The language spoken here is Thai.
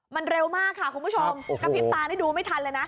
มันเร็วมากค่ะคุณผู้ชมกระพริบตานี่ดูไม่ทันเลยนะ